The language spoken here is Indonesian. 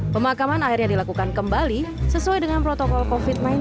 pemakaman akhirnya dilakukan kembali sesuai dengan protokol covid sembilan belas